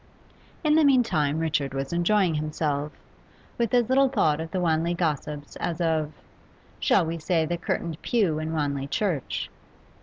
In the meantime Richard was enjoying himself, with as little thought of the Wanley gossips as of shall we say, the old curtained pew in Wanley Church?